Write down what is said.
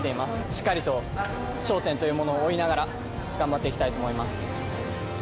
しっかりと頂点というものを追いながら、頑張っていきたいと思います。